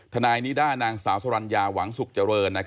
นายนิด้านางสาวสรรญาหวังสุขเจริญ